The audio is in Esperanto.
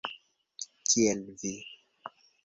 Kiel vi!